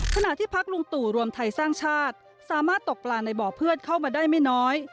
ขณะที่พักลุงตู่รวมไทยสร้างชาติสามารถตกปลาในบ่อเพื่อนเข้ามาได้ไม่น้อย